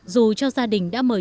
dù cho gia đình đã mời